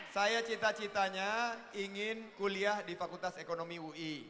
saya cita citanya ingin kuliah di fakultas ekonomi ui